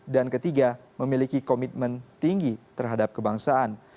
dan ketiga memiliki komitmen tinggi terhadap kebangsaan